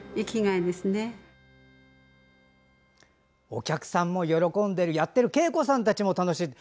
お客さんも喜んでいるやっているけいこさんたちも楽しい。